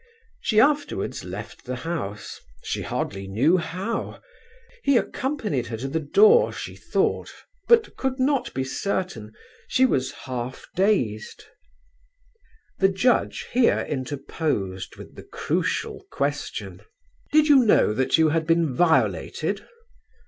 She afterwards left the house; she hardly knew how; he accompanied her to the door, she thought; but could not be certain; she was half dazed. The judge here interposed with the crucial question: "Did you know that you had been violated?"